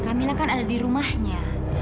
kamila kan ada di rumahnya